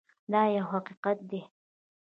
دا یو حقیقت دی.